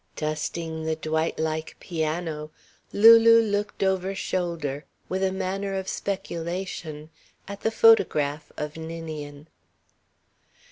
Dusting the Dwight like piano, Lulu looked over shoulder, with a manner of speculation, at the photograph of Ninian.